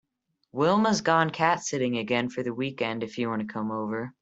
Wilma’s gone cat sitting again for the weekend if you want to come over.